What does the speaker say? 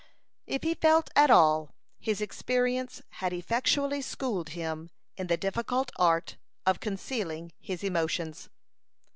If he felt at all, his experience had effectually schooled him in the difficult art of concealing his emotions.